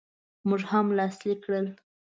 موږ هم لاسلیک کړل.